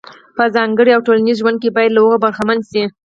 په ځانګړي او ټولنیز ژوند کې باید له هغو برخمن شي.